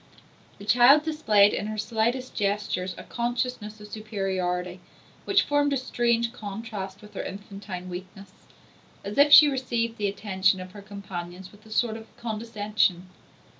The child displayed in her slightest gestures a consciousness of superiority which formed a strange contrast with her infantine weakness; as if she received the attentions of her companions with a sort of condescension.